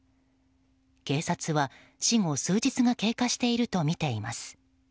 警察は死後数日が経過しているとみています。